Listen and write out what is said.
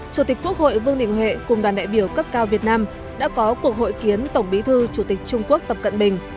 chủ tịch quốc hội vương đình huệ cùng đoàn đại biểu cấp cao việt nam đã có cuộc hội kiến tổng bí thư chủ tịch trung quốc tập cận bình